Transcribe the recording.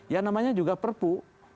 yang namanya juga perpu